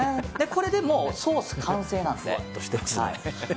これでもうソース完成なので。